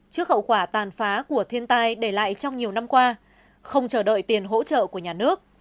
trước hậu quả tàn phá của thiên tai để lại trong nhiều năm qua không chờ đợi tiền hỗ trợ của nhà nước